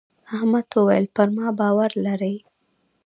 احمد وويل: پر ما باور لرې.